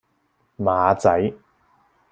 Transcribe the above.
馬仔